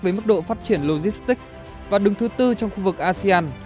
với mức độ phát triển logistics và đứng thứ tư trong khu vực asean